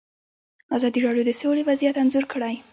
ازادي راډیو د سوله وضعیت انځور کړی.